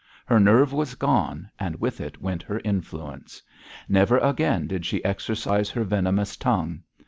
Her nerve was gone, and with it went her influence. Never again did she exercise her venomous tongue.